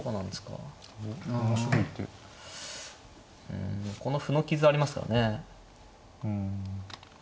うんこの歩の傷ありますからね。